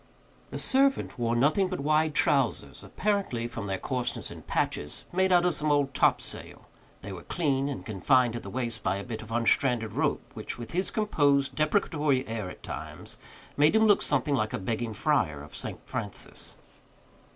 The servant wore nothing but wide trowsers, apparently, from their coarseness and patches, made out of some old topsail; they were clean, and confined at the waist by a bit of unstranded rope, which, with his composed, deprecatory air at times, made him look something like a begging friar of St. Francis.